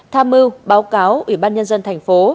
tham mưu báo cáo ủy ban nhân dân thành phố